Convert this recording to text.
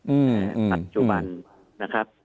อืมอืม